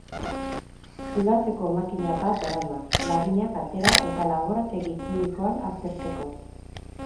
Zulatzeko makina bat darama, laginak atera eta laborategi kimikoan aztertzeko.